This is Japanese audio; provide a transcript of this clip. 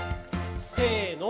せの。